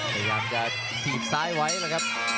พยายามจะถีบซ้ายไว้แล้วครับ